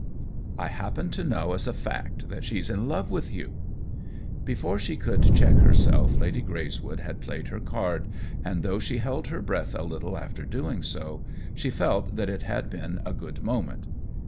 " I happen to know, as a fact, that she's in love with you !" Before she could check herself Lady Greyswood had played her card, and though she held her breath a lit tle after doing so, she felt that it had been a good moment.